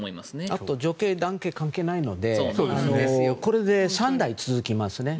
あとは女系、男系関係ないのでこれで３代続きますね。